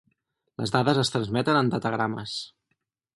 Les dades es transmeten en datagrames.